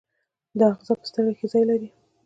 دا آخذه په سترګه کې ځای لري.